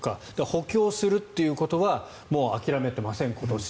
補強するということは諦めていません、今年。